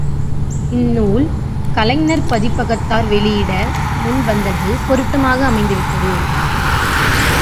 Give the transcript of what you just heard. இந்நூலை, கலைஞன் பதிப்பகத்தார் வெளியிட முன் வந்தது பொருத்தமாக அமைந்துவிட்டது.